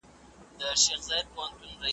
یوه نه ده را سره زر خاطرې دي .